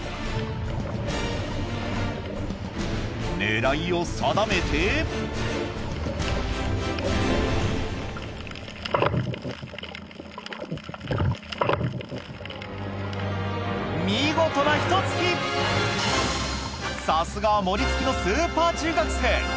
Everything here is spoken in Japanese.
狙いを定めて見事なひと突きさすがはモリ突きのスーパー中学生